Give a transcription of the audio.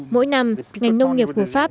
mỗi năm ngành nông nghiệp của pháp